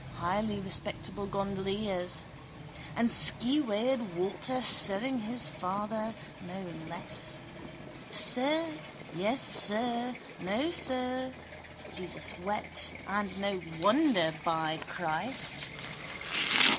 Highly respectable gondoliers! And skeweyed Walter sirring his father, no less! Sir. Yes, sir. No, sir. Jesus wept: and no wonder, by Christ!